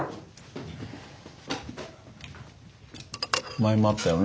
前もあったよな